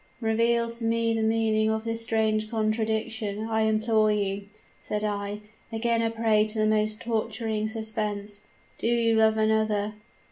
"'Reveal to me the meaning of this strange contradiction, I implore you!' said I, again a prey to the most torturing suspense. 'Do you love another?'